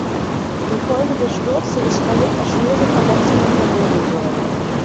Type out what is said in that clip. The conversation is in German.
In Folge des Sturzes erlitt er schwere Verletzungen der Wirbelsäule.